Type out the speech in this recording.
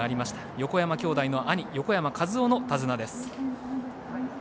横山兄弟の兄横山和生の手綱です。